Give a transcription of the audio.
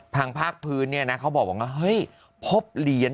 ภาคพื้นเนี่ยนะเขาบอกว่าเฮ้ยพบเหรียญ